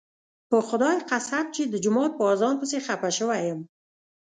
په خدای قسم چې د جومات په اذان پسې خپه شوی یم.